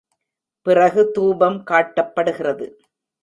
பிறகு தூபம் காட்டப்படுகிறது.